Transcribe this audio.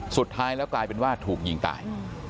สุดท้ายแล้วกลายเป็นว่าถูกยิงตาย